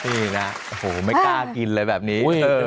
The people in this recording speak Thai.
นี่นะโอ้โหไม่กล้ากินเลยแบบนี้